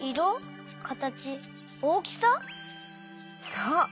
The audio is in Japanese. そう。